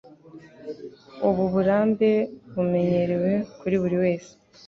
Ubu burambe bumenyerewe kuri buri wese.